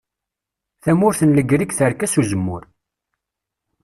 Tamurt n Legrig terka s uzemmur.